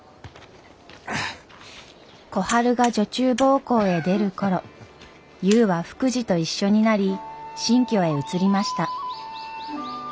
小春が女中奉公へ出る頃ゆうは福治と一緒になり新居へ移りました。